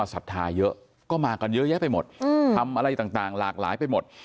ศรัทธาเยอะก็มากันเยอะแยะไปหมดทำอะไรต่างหลากหลายไปหมด